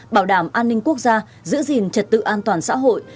bảo đảm an ninh quốc gia giữ gìn trật tự an toàn xã hội